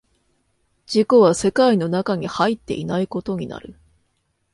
自己は世界の中に入っていないことになる。